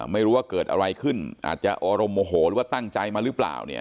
ไม่รู้ว่าเกิดอะไรขึ้นอาจจะอารมณ์โมโหหรือว่าตั้งใจมาหรือเปล่าเนี่ย